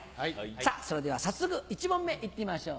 さぁそれでは早速１問目いってみましょう。